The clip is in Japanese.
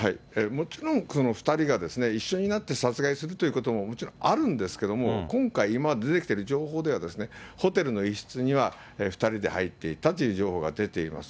もちろんその２人がですね、一緒になって殺害するということも、もちろんあるんですけれども、今回、今出てきている情報では、ホテルの一室には２人で入っていったという情報が出ています。